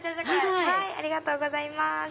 ありがとうございます。